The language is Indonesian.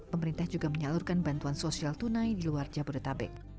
pemerintah juga menyalurkan bantuan sosial tunai di luar jabodetabek